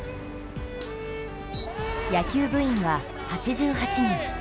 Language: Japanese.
野球部員は８８人。